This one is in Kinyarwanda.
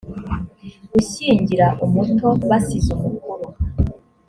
gushyingira umuto basize umukuru